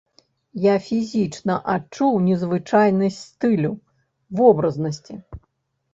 Я фізічна адчуў незвычайнасць стылю, вобразнасці.